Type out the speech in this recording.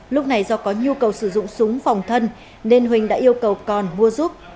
lúc này do có nhu cầu sử dụng súng phòng thân nên huỳnh đã yêu cầu còn mua giúp